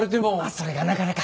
それがなかなか。